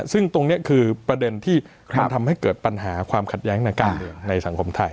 ซึ่งตรงนี้คือประเด็นที่มันทำให้เกิดปัญหาความขัดแย้งทางการเมืองในสังคมไทย